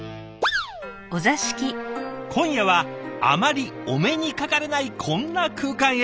今夜はあまりお目にかかれないこんな空間へ。